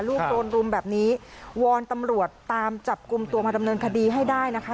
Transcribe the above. ลูกโดนรุมแบบนี้วอนตำรวจตามจับกลุ่มตัวมาดำเนินคดีให้ได้นะคะ